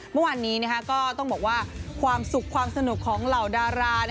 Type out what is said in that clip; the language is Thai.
เมื่อวานนี้ก็ต้องบอกว่าความสุขความสนุกของเหล่าดารา